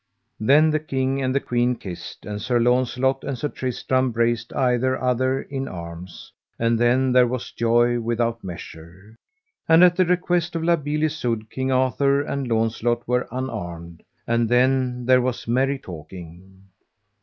Then the king and the queen kissed, and Sir Launcelot and Sir Tristram braced either other in arms, and then there was joy without measure; and at the request of La Beale Isoud, King Arthur and Launcelot were unarmed, and then there was merry talking.